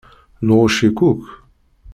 Nɣucc-ik akk.